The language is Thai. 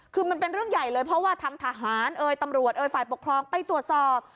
คือมันเป็นเรื่องใหญ่เลยเพราะว่าทางทหารเอ่ยตำรวจเอ่ยฝ่ายปกครองไปตรวจสอบ